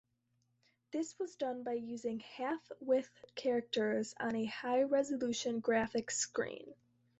This was done by using half-width characters on a high-resolution graphics screen.